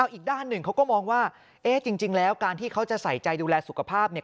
อีกด้านหนึ่งเขาก็มองว่าเอ๊ะจริงแล้วการที่เขาจะใส่ใจดูแลสุขภาพเนี่ย